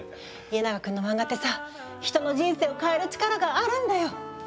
家長くんのマンガってさ人の人生を変える力があるんだよ。